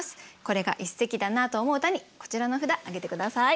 これが一席だなと思う歌にこちらの札挙げて下さい。